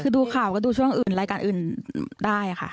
ดูข่าวก็ดูช่วงรายการอื่นได้นะคะ